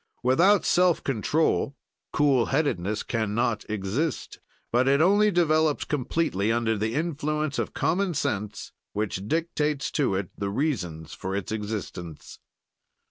"Without self control cool headedness can not exist; but it only develops completely under the influence of common sense which dictates to it the reasons for its existence.